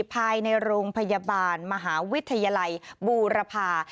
ภายในโรงพยาบาลมหาวิทยาลัยบูรพา